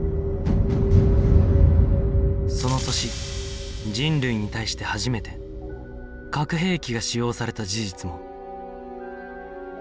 その年人類に対して初めて核兵器が使用された事実も